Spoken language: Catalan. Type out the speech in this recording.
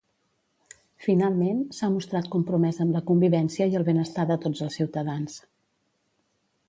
Finalment, s'ha mostrat compromès amb la convivència i el benestar de tots els ciutadans.